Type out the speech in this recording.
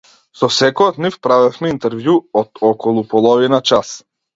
Со секој од нив правевме интервју од околу половина час.